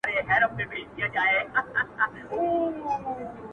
• دلته قرباني د انسان په توګه نه بلکي د شرم د پاکولو وسيله ګرځي..